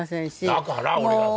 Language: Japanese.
だから俺が先。